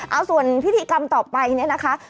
เอาส่วนพิธีกรรมต่อไปเนี่ยนะคะ